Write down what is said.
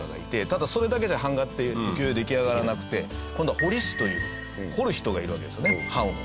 ただそれだけじゃ版画って浮世絵出来上がらなくて今度は彫師という彫る人がいるわけですよね版を。